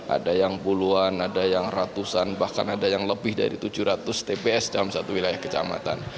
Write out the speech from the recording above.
ada yang puluhan ada yang ratusan bahkan ada yang lebih dari tujuh ratus tps dalam satu wilayah kecamatan